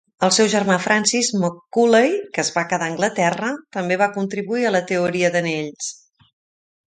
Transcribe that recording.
El seu germà Francis Macaulay, que es va quedar a Anglaterra, també va contribuir a la teoria d'anells.